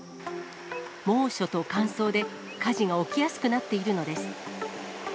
猛暑と乾燥で火事が起きやすくなっているのです。